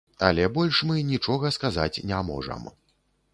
Але больш мы нічога сказаць не можам.